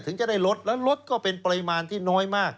ถึงจะได้ลดแล้วลดก็เป็นปริมาณที่น้อยมาก